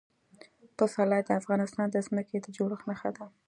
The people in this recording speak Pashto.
پسرلی د افغانستان د ځمکې د جوړښت نښه ده.